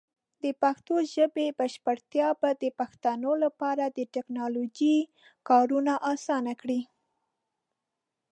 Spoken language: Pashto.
د پښتو ژبې بشپړتیا به د پښتنو لپاره د ټیکنالوجۍ کارونه اسان کړي.